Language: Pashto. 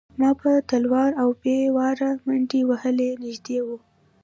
ما په تلوار او بې واره منډې وهلې نږدې و.